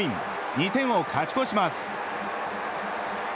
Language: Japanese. ２点を勝ち越します。